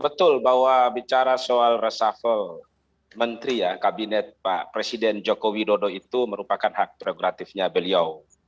betul bahwa bicara soal reshuffle menteri ya kabinet pak presiden joko widodo itu merupakan hak prerogatifnya beliau